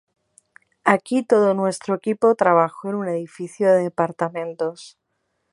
Aquí todo nuestro equipo trabajó en un edificio de departamentos.